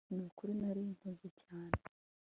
Nukuri nari mpuze cyane